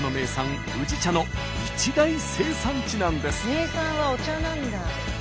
名産はお茶なんだ。